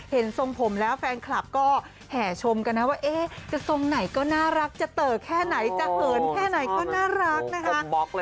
ทรงผมแล้วแฟนคลับก็แห่ชมกันนะว่าจะทรงไหนก็น่ารักจะเต๋อแค่ไหนจะเหินแค่ไหนก็น่ารักนะคะ